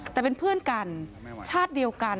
แต่เป็นเพื่อนกันชาติเดียวกัน